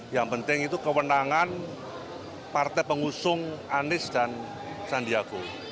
yang penting itu kewenangan partai pengusung anies dan sandiago